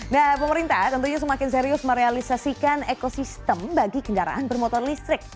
nah pemerintah tentunya semakin serius merealisasikan ekosistem bagi kendaraan bermotor listrik